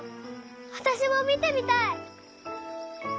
わたしもみてみたい！